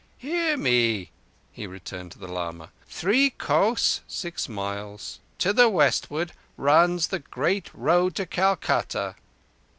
"Hear me." He turned to the lama. "Three kos (six miles) to the westward runs the great road to Calcutta."